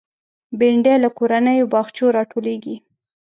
بېنډۍ له کورنیو باغچو راټولېږي